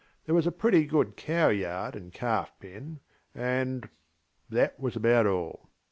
There was a pretty good cow yard and calf pen, andŌĆöthat was about all.